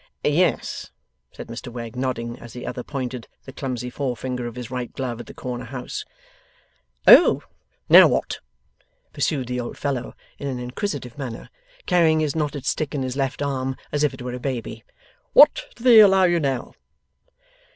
'Yes,' said Mr Wegg, nodding, as the other pointed the clumsy forefinger of his right glove at the corner house. 'Oh! Now, what,' pursued the old fellow, in an inquisitive manner, carrying his knotted stick in his left arm as if it were a baby, 'what do they allow you now?